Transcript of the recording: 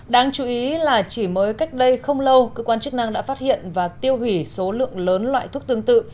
đáng chú ý là chỉ mới cách đây không lâu cơ quan chức năng đã phát hiện và tiêu hủy số lượng lớn loại thuốc tương tự